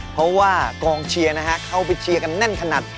เพราะว่ากองเชียร์นะฮะเข้าไปเชียร์กันแน่นขนาด